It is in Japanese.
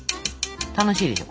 楽しいでしょ？